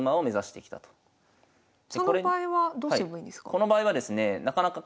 その場合はどうすればいいんですか？